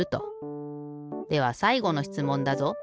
ではさいごのしつもんだぞ。